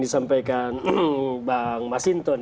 disampaikan bang masinton